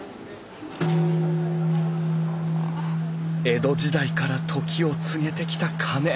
江戸時代から時を告げてきた鐘。